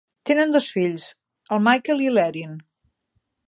Tenen dos fills, el Michael i l'Erin.